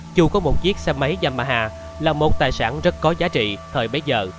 chu có một chiếc xe máy yamaha là một tài sản rất có giá trị thời bấy giờ